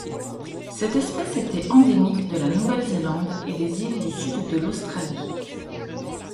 Cette espèce était endémique de la Nouvelle-Zélande et des îles du sud de l'Australie.